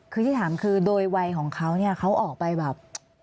คือที่ถามคือโดยวัยของเขาเนี่ยเขาออกไปแบบ